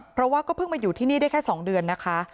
เพราะว่าก็เพิ่งมาอยู่ที่นี่ได้แค่๒เดือนนะคะ